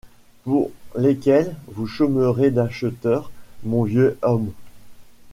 Pour lesquelles vous chômerez d’acheteurs, mon vieux homme!